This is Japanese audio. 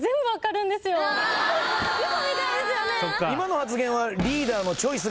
今の発言は。